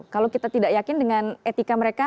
kalau kita tidak yakin dengan etika mereka